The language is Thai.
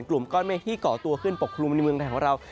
กลุ่มก้อนเมฆที่เกาะตัวขึ้นปกคลุมในเมืองไทยของเรา